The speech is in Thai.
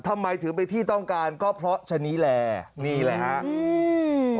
ทำไมถึงเป็นที่ต้องการก็เพราะชะนี้แหละนี่แหละฮะอืม